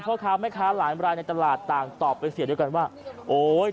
พ่อค้าแม่ค้าหลายรายในตลาดต่างตอบเป็นเสียด้วยกันว่าโอ๊ย